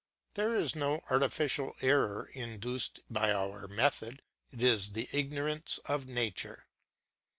This is no artificial error induced by our method, it is the ignorance of nature.